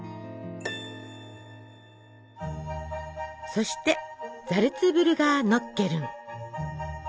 そしてザルツブルガーノッケルン！